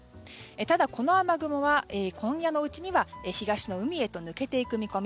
ただ、この雨雲は今夜のうちには東の海へと抜けていく見込み。